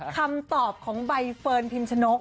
คำตอบของใบเฟิร์นพิมชนก